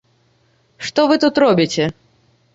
Што вы тут робіце?